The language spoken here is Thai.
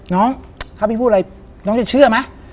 น้องถ้าพี่พูดอะไรน้องจะเชื่อไหม